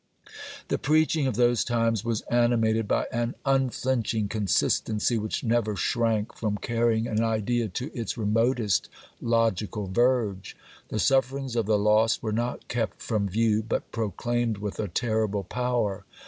The preaching of those times was animated by an unflinching consistency which never shrank from carrying an idea to its remotest logical verge. The sufferings of the lost were not kept from view, but proclaimed with a terrible power.